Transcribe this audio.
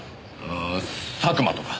んー佐久間とか。